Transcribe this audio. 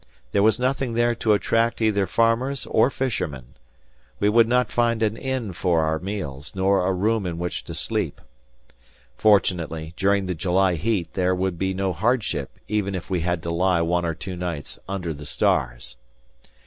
There was nothing there to attract either farmers or fishermen. We would find not an inn for our meals nor a room in which to sleep. Fortunately, during the July heat there would be no hardship even if we had to lie one or two nights under the stars.